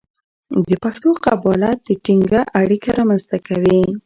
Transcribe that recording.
د پښتو قبالت د ټینګه اړیکه رامنځته کوي.